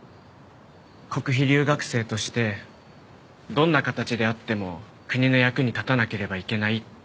国費留学生としてどんな形であっても国の役に立たなければいけないって。